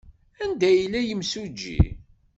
Anda yella yimsujji?